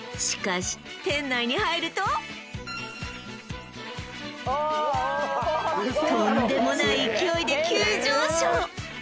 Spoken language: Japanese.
しかし店内に入るととんでもない勢いで急上昇